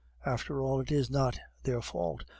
After all, it is not their fault.